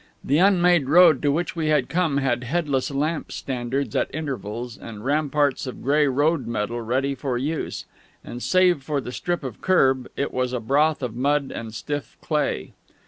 The unmade road to which we had come had headless lamp standards at intervals, and ramparts of grey road metal ready for use; and save for the strip of kerb, it was a broth of mud and stiff clay.